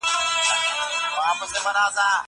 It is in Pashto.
هغه څوک چي مرسته کوي مهربان وي!!